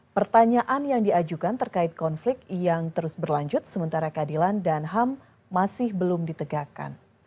pertanyaan yang diajukan terkait konflik yang terus berlanjut sementara keadilan dan ham masih belum ditegakkan